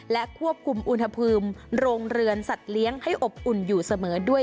และควบคุมอุณหภูมิโรงเรือนสัตว์เลี้ยงให้อบอุ่นอยู่เสมอด้วย